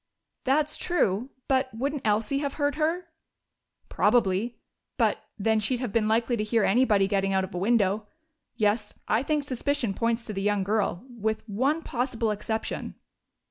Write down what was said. "That's true. But wouldn't Elsie have heard her?" "Probably. But, then, she'd have been likely to hear anybody getting out of a window.... Yes, I think suspicion points to the young girl, with one possible exception."